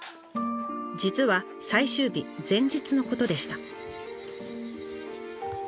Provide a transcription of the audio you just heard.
実は最終日前日のことでした。